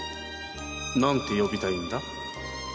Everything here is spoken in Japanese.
何て呼びたいんだ？